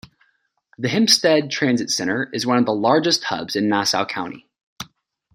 The Hempstead Transit Center is one of the largest hubs in Nassau County.